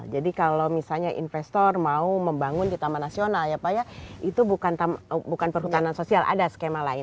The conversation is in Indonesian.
jadi kalau misalnya investor mau membangun di taman nasional ya pak ya itu bukan perhutanan sosial ada skema lain